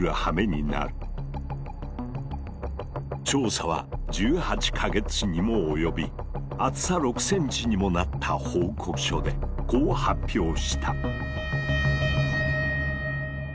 調査は１８か月にも及び厚さ６ｃｍにもなった報告書でこう発表した。